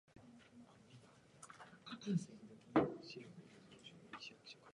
見たことがない別世界の植物